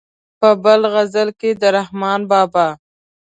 په بل غزل کې د رحمان بابا.